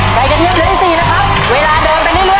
ไก่กระเทียมเหลืออีก๔นะครับ